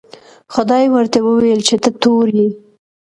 خدای ورته وویل چې ته تور یې.